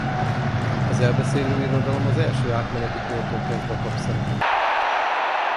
Az elbeszélő irodalom az első átmeneti kortól kezdve kap szerepet.